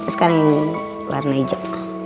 sekarang warna hijau